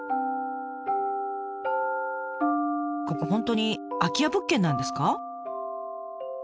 ここ本当に空き家物件なんですか？